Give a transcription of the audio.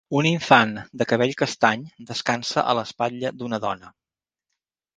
Un infant de cabell castany descansa a l'espatlla d'una dona.